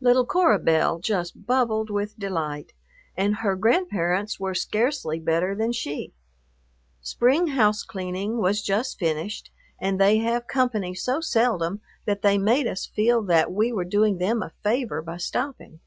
Little Cora Belle just bubbled with delight, and her grandparents were scarcely better than she. Spring house cleaning was just finished, and they have company so seldom that they made us feel that we were doing them a favor by stopping.